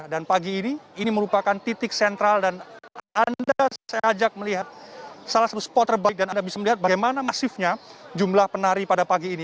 dan pagi ini ini merupakan titik sentral dan anda saya ajak melihat salah satu spot terbaik dan anda bisa melihat bagaimana masifnya jumlah penari pada pagi ini